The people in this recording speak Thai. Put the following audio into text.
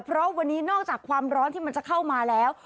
เพราะวันนี้นอกจากความร้อนที่มันจะเข้ามาแล้ว